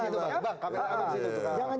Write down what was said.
bang kamera abis itu